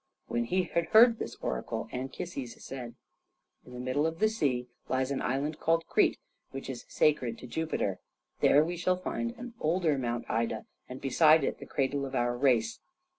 When he had heard this oracle, Anchises said, "In the middle of the sea lies an island called Crete, which is sacred to Jupiter. There we shall find an older Mount Ida, and beside it the cradle of our race.